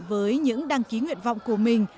với những đăng ký nguyện vọng của mình